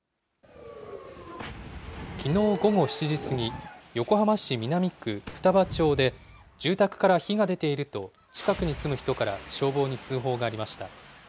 きのう午後７時過ぎ、横浜市南区二葉町で、住宅から火が出ていると近くに住む人から消防に通報がありました。